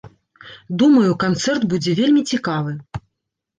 Думаю, канцэрт будзе вельмі цікавы.